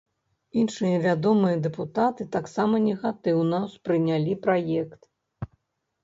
Іншыя вядомыя дэпутаты таксама негатыўна ўспрынялі праект.